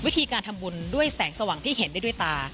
วิธีการทำบุญด้วยแสงสว่างที่เห็นได้ด้วยตา